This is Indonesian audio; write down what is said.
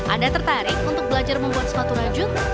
anda tertarik untuk belajar membuat sepatu rajut